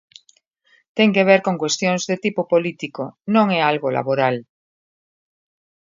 Ten que ver con cuestións de tipo político, non é algo laboral.